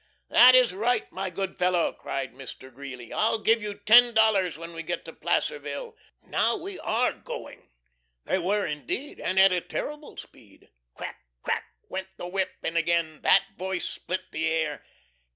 "That is right, my good fellow!" cried Mr. Greeley. "I'll give you ten dollars when we get to Placerville. Now we ARE going!" They were indeed, and at a terrible speed. Crack, crack! went the whip, and again "that voice" split the air.